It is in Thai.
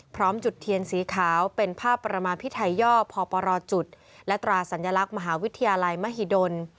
จุดเทียนสีขาวเป็นภาพประมาพิไทยย่อพปรจุดและตราสัญลักษณ์มหาวิทยาลัยมหิดล